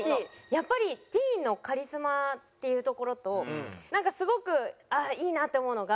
やっぱりティーンのカリスマっていうところとなんかすごくああいいなって思うのが。